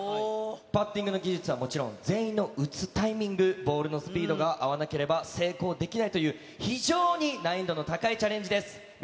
パッティングの技術はもちろん、全員の打つタイミング、ボールのスピードが合わなければ成功できないという、非常に難易度の高いチャレンジです。